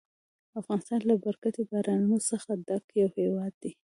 افغانستان له برکتي بارانونو څخه ډک یو هېواد دی.